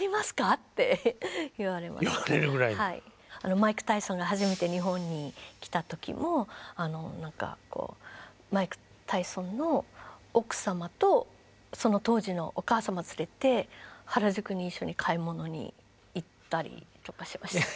マイク・タイソンが初めて日本に来た時もマイク・タイソンの奥様とその当時のお母様を連れて原宿に一緒に買い物に行ったりとかしました。